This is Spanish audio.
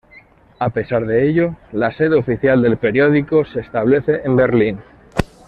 A pesar de ello, la sede oficial del periódico se establece en Berlín.